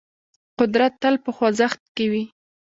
قدرت تل په خوځښت کې وي.